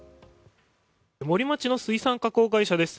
森町の水産加工会社です。